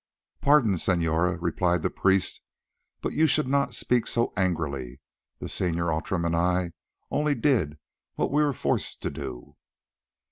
"Pardon, senora," replied the priest; "but you should not speak so angrily. The Senor Outram and I only did what we were forced to do."